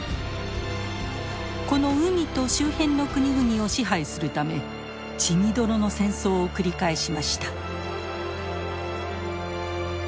この海と周辺の国々を支配するため血みどろの戦争を繰り返しました。